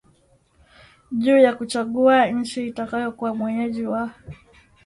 juu ya kuchagua nchi itakayokuwa mwenyeji wa